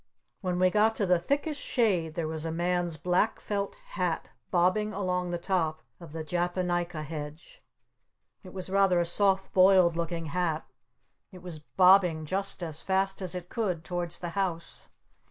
When we got to the thickest shade there was a man's black felt hat bobbing along the top of the Japonica Hedge. It was rather a soft boiled looking hat. It was bobbing just as fast as it could towards the house.